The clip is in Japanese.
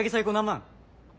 万？